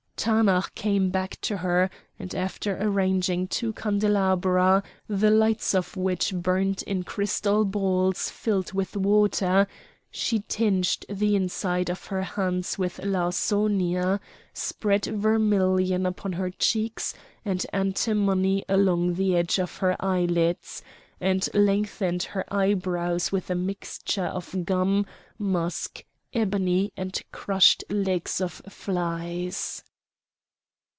Taanach came back to her; and after arranging two candelabra, the lights of which burned in crystal balls filled with water, she tinged the inside of her hands with Lawsonia, spread vermilion upon her cheeks, and antimony along the edge of her eyelids, and lengthened her eyebrows with a mixture of gum, musk, ebony, and crushed legs of flies.